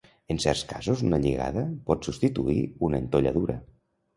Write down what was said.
En certs casos una lligada pot substituir una entolladura.